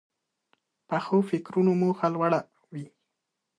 پخو فکرونو موخه لوړه وي